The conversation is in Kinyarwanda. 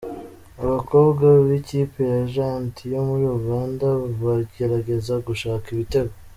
Abakobwa b’ikipe ya Giant yo muri Uganda bagerageza gushaka ibitego.